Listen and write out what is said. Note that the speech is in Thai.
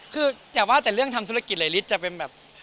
คืออย่าว่าแต่เรื่องทำธุรกิจหลายฤทธิ์จะเป็นแบบ